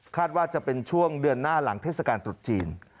ว่าจะเป็นช่วงเดือนหน้าหลังเทศกาลตรุษจีน